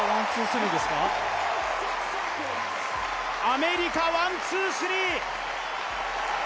アメリカ、ワン・ツー・スリーですか？